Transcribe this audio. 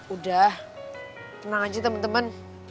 udah tenang aja teman teman